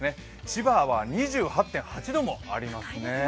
千葉は２８．８度もありますね。